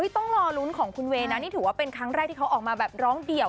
ต้องรอลุ้นของคุณเวย์นะนี่ถือว่าเป็นครั้งแรกที่เขาออกมาแบบร้องเดี่ยว